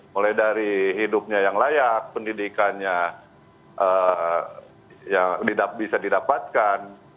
mulai dari hidupnya yang layak pendidikannya yang bisa didapatkan